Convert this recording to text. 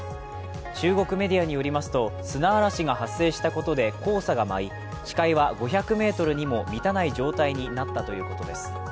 中国メディアによりますと砂嵐が発生したことで交差が舞い視界は５００ｍにも満たない状態になったということです。